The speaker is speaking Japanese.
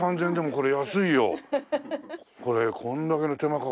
これ。